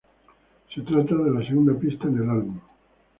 Se trata de la segunda pista en el álbum.